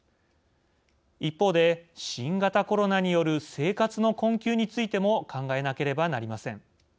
一方で、新型コロナによる生活の困窮についても考えなければなりません。